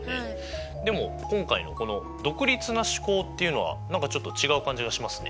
でも今回のこの「独立な試行」っていうのは何かちょっと違う感じがしますね。